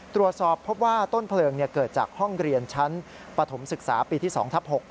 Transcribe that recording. ตรวจสอบพบว่าต้นเพลิงเกิดจากห้องเรียนชั้นปฐมศึกษาปีที่๒ทับ๖